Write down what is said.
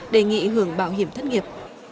đề nghị hưởng bảo hiểm thất nghiệp